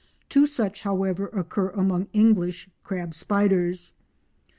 Two such, however, occur among English crab spiders.